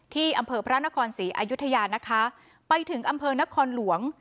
ที่อำเภอพระนครศรีอายุทยานะคะไปถึงอำเภอนครหลวง